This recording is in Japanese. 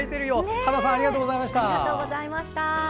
はなさんありがとうございました！